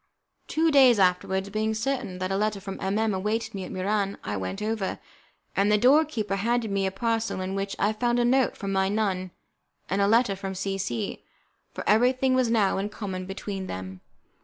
Two days afterwards, being certain that a letter from M M awaited me at Muran, I went over, and the door keeper handed me a parcel in which I found a note from my nun and a letter from C C , for everything was now in common between them.